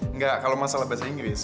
enggak kalau masalah bahasa inggris